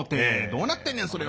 どうなってんやそれは。